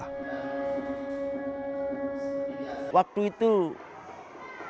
hidup di sekolah yang baru diusir untuk pendidikan dari sekolah